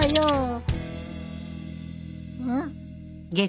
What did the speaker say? うん！？